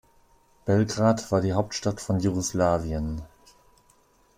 Belgrad war die Hauptstadt von Jugoslawien.